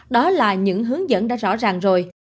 đó là những hướng dẫn đã rõ ràng rồi